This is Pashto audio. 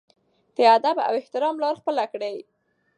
د ادب او احترام لار خپله کړي.